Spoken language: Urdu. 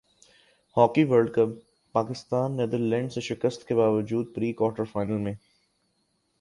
ہاکی ورلڈکپ پاکستان نیدرلینڈز سے شکست کے باوجود پری کوارٹر فائنل میں